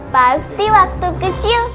pasti waktu kecil